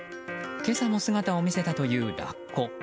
今朝も姿を見せたというラッコ。